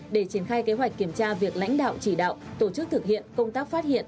để triển khai kế hoạch kiểm tra việc lãnh đạo chỉ đạo tổ chức thực hiện công tác phát hiện